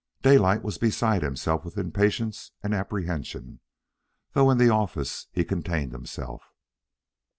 Daylight was beside himself with impatience and apprehension, though in the office he contained himself.